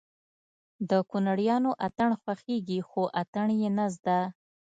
د کونړيانو اتڼ خوښېږي خو اتڼ يې نه زده